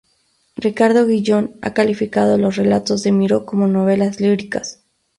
Ricardo Gullón ha calificado los relatos de Miró como novelas líricas.